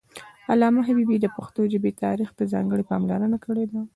علامه حبيبي د پښتو ژبې تاریخ ته ځانګړې پاملرنه کړې ده